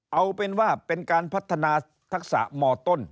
เอาเป็นว่าเป็นการพัฒนาทักษะมต้น